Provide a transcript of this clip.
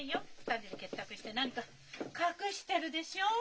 ２人で結託して何か隠してるでしょう？